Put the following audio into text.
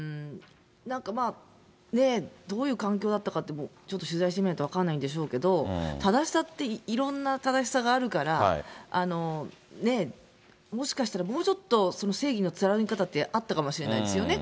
なんか、どういう環境だったかってちょっと取材してみないと分かんないでしょうけど、正しさって、いろんな正しさがあるから、もしかしたら、もうちょっと正義の貫き方って、あったかもしれないですよね。